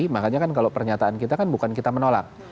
makanya kalau pernyataan kita bukan kita menolak